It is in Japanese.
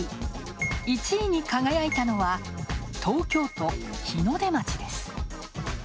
１位に輝いたのは東京都日の出町です。